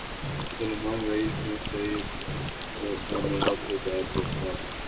Salman race میں سیف کے کامیاب کردار پر قابض